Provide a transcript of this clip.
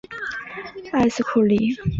埃斯库利。